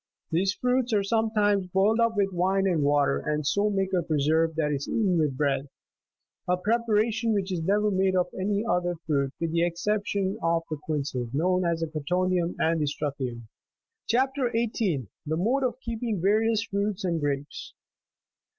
These fruits are sometimes boiled up with wine and water, and so make a preserve u that is eaten with bread ; a preparation which is never made of any other fruit, with the exception of the quinces, known as the "cotoneum" and the " strutheum." CHAP. 18. (16.) — THE MODE OF KEEPIXG VABIOUS FKUITS AND GKAPES.